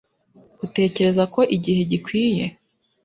Utekereza ko igihe gikwiye